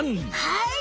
はい！